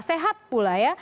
sehat pula ya